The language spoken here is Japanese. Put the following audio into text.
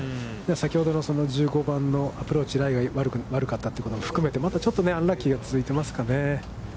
先ほどの１５番のアプローチ、ライが悪かったということも含めてまたちょっとアンラッキーが続いてますかね。